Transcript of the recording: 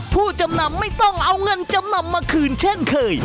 ผู้จำนำไม่ต้องเอาเงินจำนำมาคืนเช่นเคย